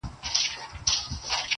زموږ د تاریخ د اتلانو وطن-